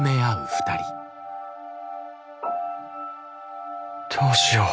心の声どうしよう。